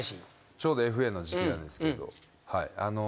ちょうどＦＡの時期なんですけど。